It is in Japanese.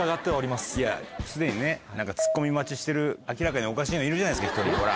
すでにツッコミ待ちしてる明らかにおかしいのいるじゃないですか１人ほら。